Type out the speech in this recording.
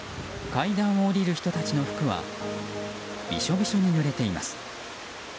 階段を下りる人たちの服はびしょびしょにぬれています。